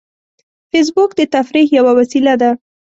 فېسبوک د تفریح یوه وسیله ده